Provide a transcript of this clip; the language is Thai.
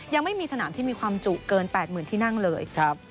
ยังไม่มีสนามที่มีความจุเกิน๘๐๐๐ที่นั่งเลย